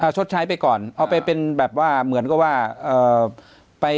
ชดใช้ไปก่อนเอาไปเป็นแบบว่าเหมือนกับว่าไป